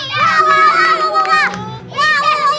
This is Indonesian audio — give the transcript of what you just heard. kenapa pak de